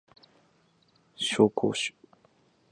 紹興酒